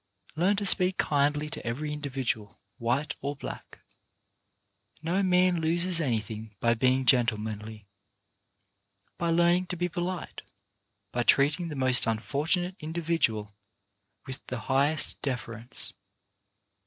" Learn to speak kindly to every individual, white or black. No man loses anything by being gentlemanly, by learning to be polite, by treating the most unfortunate individual with the highest deference.